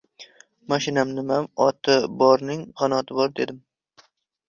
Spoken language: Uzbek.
— Mashinam nimam? Oti borning — qanoti bor, — dedim.